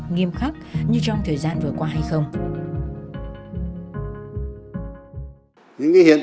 nghiêm khắc như trong thời gian vừa qua hay không